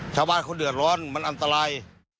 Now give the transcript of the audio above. ชาวบ้านเขาเดือดร้อนมันอันตราย